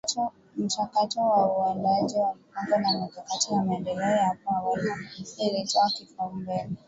Mchakato wa Uandaaji wa Mipango na Mikakatii ya maendeleo ya hapo awali ilitoa kipaumbele